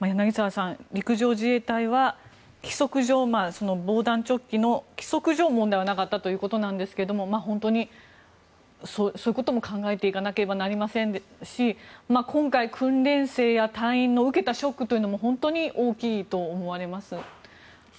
柳澤さん、陸上自衛隊は防弾チョッキの規則上問題はなかったということですが本当にそういうことも考えていかなければいけませんし今回、訓練生や隊員の受けたショックも本当に大きいと思われます。